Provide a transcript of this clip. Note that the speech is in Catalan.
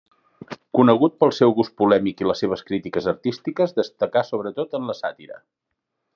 Conegut pel seu gust polèmic i les seves crítiques artístiques, destacà sobretot en la sàtira.